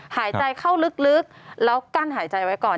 หายใจเข้าลึกแล้วกั้นหายใจไว้ก่อน